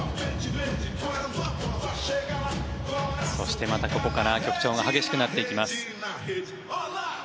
そしてまたここから曲調が激しくなっていきます。